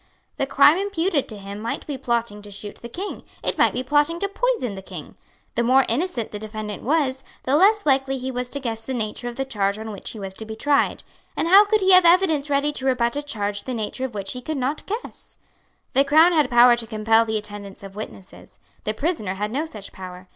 The crime imputed to him might be plotting to shoot the King; it might be plotting to poison the King. The more innocent the defendant was, the less likely he was to guess the nature of the charge on which he was to be tried; and how could he have evidence ready to rebut a charge the nature of which he could not guess? The Crown had power to compel the attendance of witnesses. The prisoner had no such power.